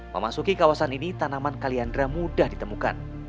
memasuki kawasan ini tanaman kaliandra mudah ditemukan